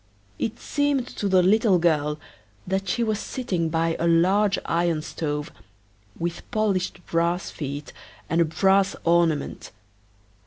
It seemed to the little girl that she was sitting by a large iron stove, with polished brass feet and a brass ornament.